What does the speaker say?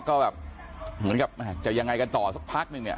ก็แบบเหมือนกับจะยังไงกันต่อสักพักนึงเนี่ย